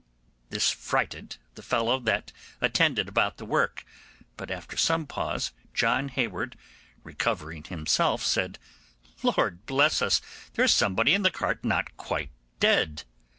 This frighted the fellow that attended about the work; but after some pause John Hayward, recovering himself, said, 'Lord, bless us! There's somebody in the cart not quite dead!